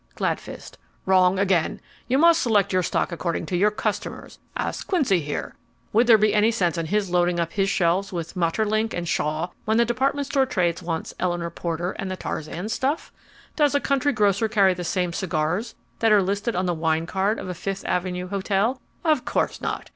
GLADFIST Wrong again. You must select your stock according to your customers. Ask Quincy here. Would there be any sense in his loading up his shelves with Maeterlinck and Shaw when the department store trade wants Eleanor Porter and the Tarzan stuff? Does a country grocer carry the same cigars that are listed on the wine card of a Fifth Avenue hotel? Of course not.